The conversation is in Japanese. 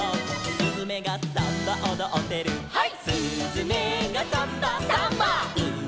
「すずめがサンバおどってる」「ハイ！」